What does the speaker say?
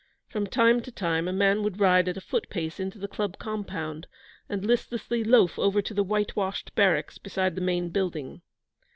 From time to time a man would ride at a foot pace into the Club compound, and listlessly loaf over to the whitewashed barracks beside the main building.